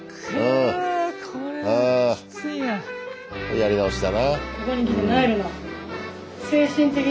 やり直しだな。